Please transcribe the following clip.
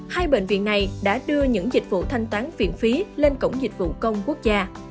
hai bệnh viện này đã đưa những dịch vụ thanh toán phiền phí lên cổng dịch vụ công quốc gia